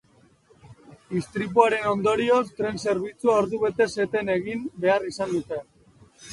Istripuaren ondorioz tren zerbitzua ordubetez eten egin behar izan dute.